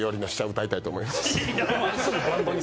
歌いたいと思います。